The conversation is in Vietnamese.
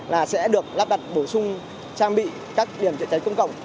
là sẽ được lắp đặt bổ sung trang bị các điểm chữa cháy công cộng